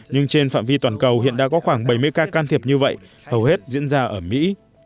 nhưng trên phạm vi toàn cầu hiện đã có khoảng bảy mươi ca can thiệp như vậy hầu hết diễn ra ở mỹ